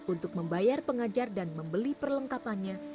untuk membayar pengajar dan membeli perlengkapannya